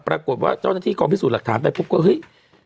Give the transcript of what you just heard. ปรากฏว่าเจ้านที่คอมพิสูจน์หลักฐานแต่ปุ๊บก็ฮึ้ย